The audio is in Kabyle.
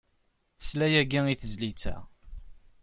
Tesla yagi i tezlit-a.